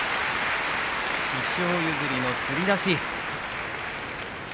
師匠譲りのつり出し。